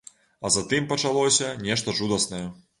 А затым пачалося нешта жудаснае.